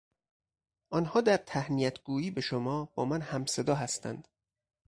آنان در تهنیتگویی به شما با من همصدا هستند.